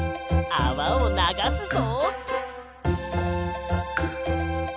あわをながすぞ。